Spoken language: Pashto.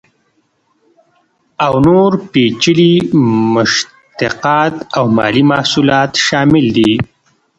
او نور پیچلي مشتقات او مالي محصولات شامل دي.